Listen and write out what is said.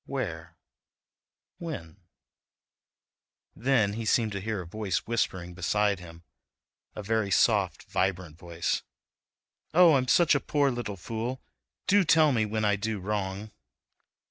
Where—? When—? Then he seemed to hear a voice whispering beside him, a very soft, vibrant voice: "Oh, I'm such a poor little fool; do tell me when I do wrong."